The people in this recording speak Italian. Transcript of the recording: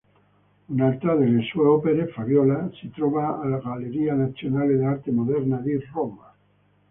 Un'altra delle sue opere, "Fabiola", si trova al Galleria nazionale d'arte moderna di Roma.